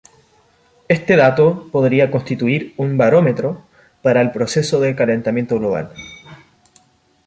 Este dato podría constituir un barómetro para el proceso de calentamiento global.